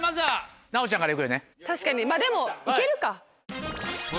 確かにまぁでも行けるか。